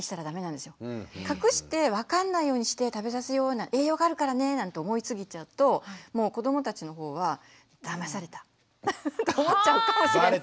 隠して分かんないようにして食べさせよう栄養があるからねなんて思いすぎちゃうと子どもたちの方はだまされたって思っちゃうかもしれない。